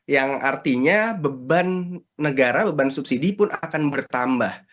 yang artinya beban negara beban subsidi pun akan bertambah